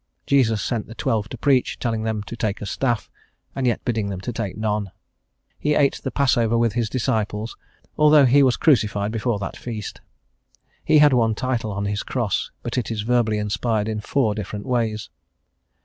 Jesus sent the Twelve to preach, telling them to take a staff, and yet bidding them to take none. He eat the Passover with His disciples, although He was crucified before that feast. He had one title on his cross, but it is verbally inspired in four different ways.